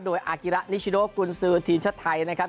โดยอากิระนิชโนกุญซือทีมชาติไทยนะครับ